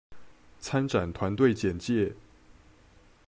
參展團隊簡介